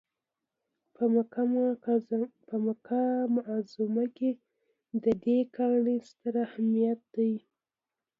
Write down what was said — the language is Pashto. په مکه معظمه کې د دې کاڼي ستر اهمیت دی.